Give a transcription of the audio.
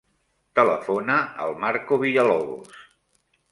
Telefona al Marco Villalobos.